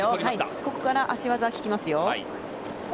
ここから足技は効きますよ。